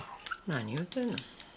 何言うてんの。